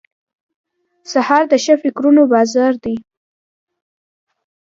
سهار د ښه فکرونو بازار دی.